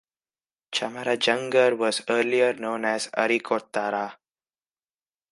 Chamarajanagar was earlier known as Arikottara.